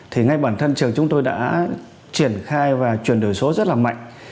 thì ngay bản thân trường chúng tôi đã triển khai và chuyển đổi số rất là mạnh